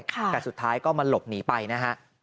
แต่สุดท้ายก็มันหลบหนีไปนะฮะ